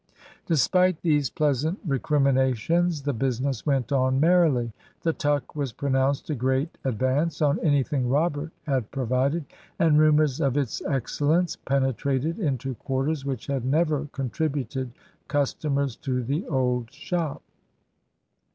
Despite these pleasant recriminations the business went on merrily. The "tuck" was pronounced a great advance on anything Robert had provided, and rumours of its excellence penetrated into quarters which had never contributed customers to the old shop.